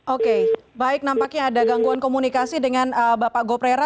oke baik nampaknya ada gangguan komunikasi dengan bapak goprera